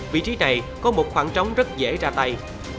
vị trí này có một khoảng trống rất dễ ra tay